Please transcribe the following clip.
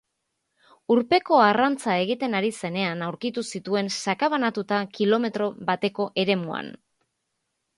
Urpeko arrantza egiten ari zenean aurkitu zituen sakabanatuta kilometro bateko eremuan.